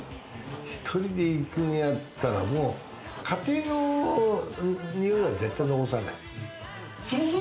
１人でいくんやったら家庭のにおいは絶対残さない。